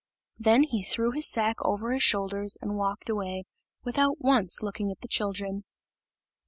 Then he threw his sack over his shoulders and walked away, without once looking at the children.